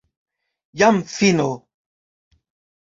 Jam fino!